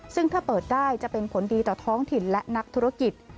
ซึ่งถ้าเปิดได้จะเป็นผลดีต่อท้องถิ่นและนักธุรกิจ